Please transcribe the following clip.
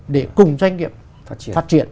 để cùng doanh nghiệp phát triển